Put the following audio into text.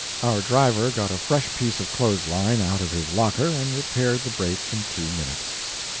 Our driver got a fresh piece of clothes line out of his locker and repaired the break in two minutes.